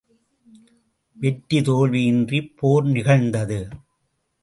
வெற்றி தோல்வி இன்றிப் போர் நிகழ்ந்தது.